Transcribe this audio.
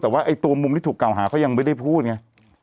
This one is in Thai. แต่ว่าตัวมุมที่ถูกกล่าวหาเขายังไม่ได้พูดไง